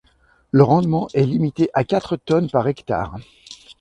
Le rendement est limité à quatre tonnes par hectare.